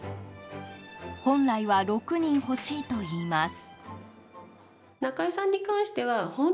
本来は６人欲しいといいます。